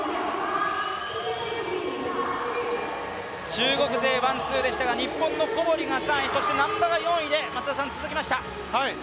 中国勢ワン・ツーでしたが、日本の小堀が３位、そして難波が４位で続きました。